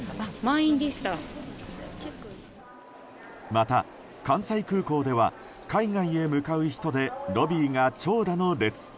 また関西空港では海外へ向かう人でロビーが長蛇の列。